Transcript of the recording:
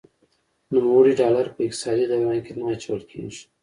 نوموړي ډالر په اقتصادي دوران کې نه اچول کیږي.